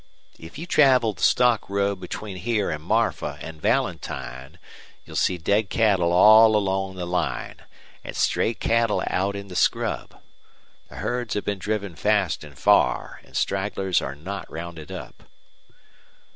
If you travel the stock road between here and Marfa and Valentine you'll see dead cattle all along the line and stray cattle out in the scrub. The herds have been driven fast and far, and stragglers are not rounded up."